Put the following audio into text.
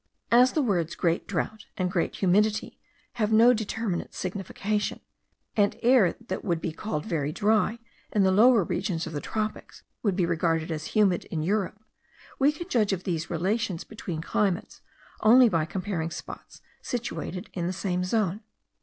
As the words great drought and great humidity have no determinate signification, and air that would be called very dry in the lower regions of the tropics would be regarded as humid in Europe, we can judge of these relations between climates only by comparing spots situated in the same zone.